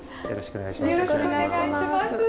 よろしくお願いします。